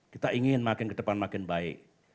kita ingin makin ke depan makin baik